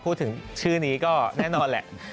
พูดถึงชื่อนี้ก็แน่นอนแหละ